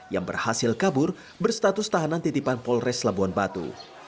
yang berhasil kabur berstatus tahanan titipan polres labuan batu